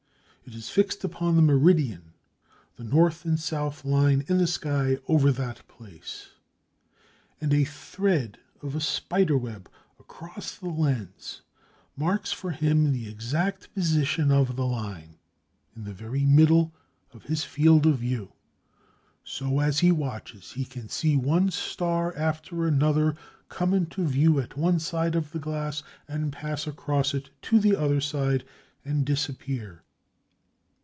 It is fixed upon the meridian, the north and south line in the sky over that place. And a thread of spider web across the lens marks for him the exact position of the line, in the very middle of his field of view. So as he watches, he can see one star after another come into view at one side of the glass and pass across it to the other side and disappear.